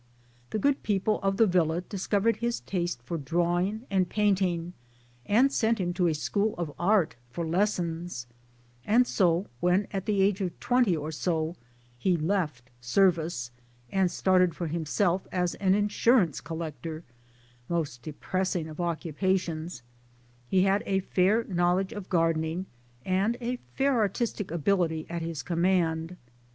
The good people of the villa discovered his taste for drawing and painting, and sent him to a School of Art for lessons ; and so when at the age of twenty or so he left ' service ' and started for himself as an insurance collector (most depressing of occupations) he had a fair know ledge of gardening and a fair artistic ability at his command.